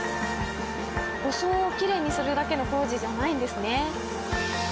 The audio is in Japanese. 装をきれいにするだけの工事じゃないんですね。